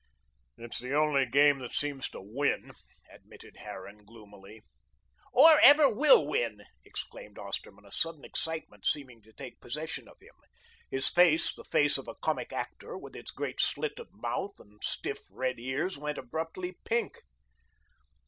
"It's the only game that seems to win," admitted Harran gloomily. "Or ever will win," exclaimed Osterman, a sudden excitement seeming to take possession of him. His face the face of a comic actor, with its great slit of mouth and stiff, red ears went abruptly pink.